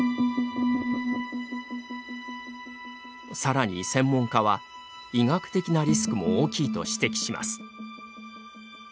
さらに専門家は医学的なリスクも大きいと指摘します。